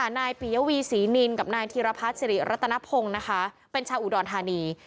ค่ะนายปิยาวีศรีนินกับนายธีรพาสศิริรัตนพงศ์เป็นชาวอุดรธานี